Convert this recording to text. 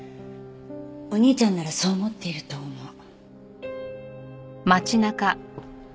お兄ちゃんならそう思っていると思う。